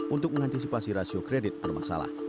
untuk mengantisipasi rasio kredit bermasalah